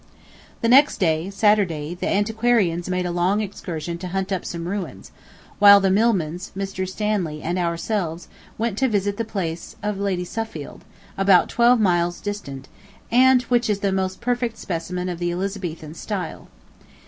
The next day, Saturday, the antiquarians made a long excursion to hunt up some ruins, while the Milmans, Mr. Stanley, and ourselves, went to visit the place of Lady Suffield, about twelve miles distant, and which is the most perfect specimen of the Elizabethan style.